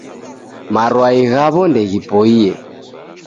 Marwai ghawo ndeghipoiye